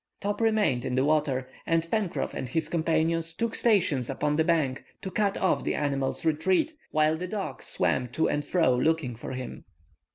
Top remained in the water, and Pencroff and his companions took stations upon the bank, to cut off the animal's retreat, while the dog swam to and fro looking for him.